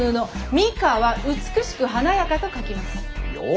「美華」は美しく華やかと書きます。よ！